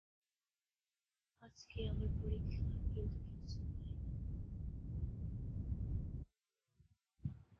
এর নির্মাণপ্রক্রিয়া খুবই সহজ।